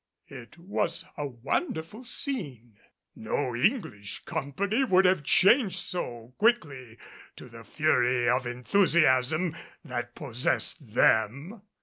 It was a wonderful scene. No English company would have changed so quickly to the fury of enthusiasm that possessed them.